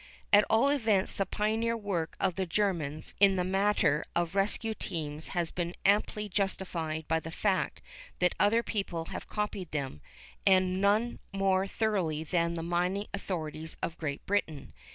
At all events the pioneer work of the Germans in the matter of rescue teams has been amply justified by the fact that other people have copied them, and none more thoroughly than the mining authorities of Great Britain.